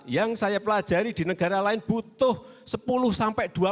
yang saya pelajari di negara lain butuh sepuluh sampai dua puluh